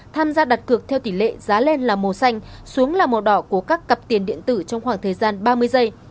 tham gia đặt cược theo tỷ lệ giá lên là màu xanh xuống là màu đỏ của các cặp tiền điện tử trong khoảng thời gian ba mươi giây